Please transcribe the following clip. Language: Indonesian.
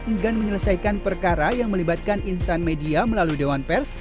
enggan menyelesaikan perkara yang melibatkan insan media melalui dewan pers